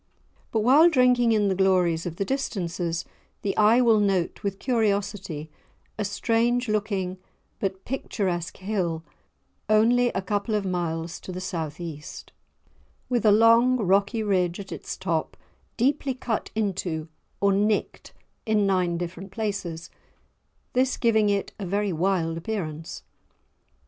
But while drinking in the glories of the distances, the eye will note with curiosity a strange looking but picturesque hill only a couple of miles to the South east, with a long rocky ridge at its top deeply cut into or "nicked" in nine different places, this giving it a very wild appearance.